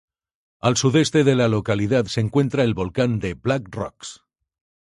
Al sudeste de la localidad se encuentra el volcán de Black Rocks.